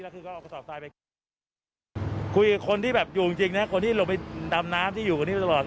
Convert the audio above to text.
คุยกับคนที่อยู่จริงนะครับคนที่ลงไปดำน้ำที่อยู่ตรงนี้ตลอด